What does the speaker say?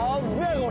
これ。